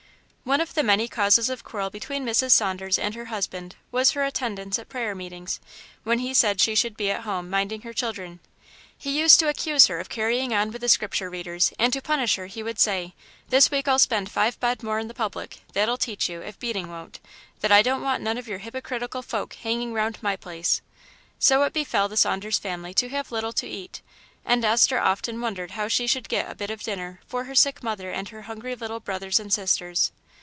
One of the many causes of quarrel between Mrs. Saunders and her husband was her attendance at prayer meetings when he said she should be at home minding her children. He used to accuse her of carrying on with the Scripture readers, and to punish her he would say, "This week I'll spend five bob more in the public that'll teach you, if beating won't, that I don't want none of your hypocritical folk hanging round my place." So it befell the Saunders family to have little to eat; and Esther often wondered how she should get a bit of dinner for her sick mother and her hungry little brothers and sisters.